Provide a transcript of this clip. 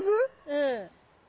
うん。